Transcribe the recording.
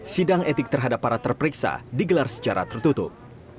sidang etik terhadap para terperiksa digelar secara tertutup